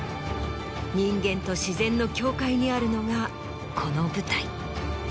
人間と自然の境界にあるのがこの舞台。